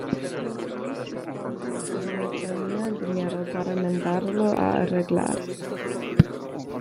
Múzquiz respondió que no tenía dinero para mandarlo a arreglar.